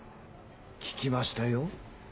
聞きましたよ。